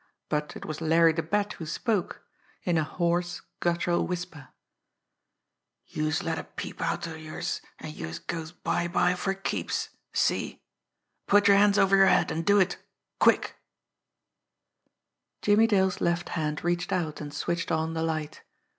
But it was Larry the Bat who spoke in a hoarse, guttural whisper. "Youse let a peep outer youse, an' youse goes bye bye for keeps! See? Put yer hands over yer head, an' do it quick!" Jimmie Dale's left hand reached out and switched on the light.